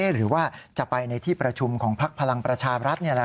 หรือว่าจะไปในที่ประชุมของพักพลังประชารัฐ